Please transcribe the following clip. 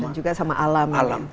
dan juga sama alam